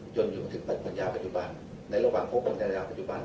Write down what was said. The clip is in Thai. จนอยู่ถึงภรรยาปัจจุบันในระหว่างพวกภรรยาปัจจุบัน